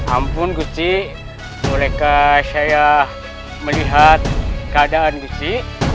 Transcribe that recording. ampun gusti bolehkah saya melihat keadaan gusti